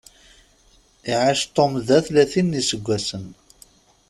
Iɛac Tom da tlatin n iseggasen.